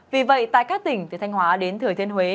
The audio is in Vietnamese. vì vậy tại các tỉnh từ thanh hóa đến thừa thiên huế